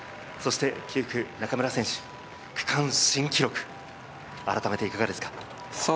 ９区・中村選手、区間新記録、改めていかがですか？